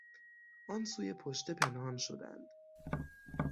آن سوی پشته پنهان شدند.